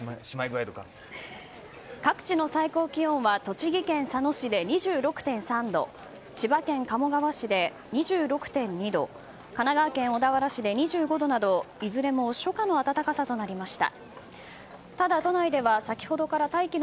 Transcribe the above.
各地の最高気温は栃木県佐野市で２６．３度千葉県鴨川市で２６．２度神奈川県小田原市で２５度などいずれも初夏の暖かさとなりました。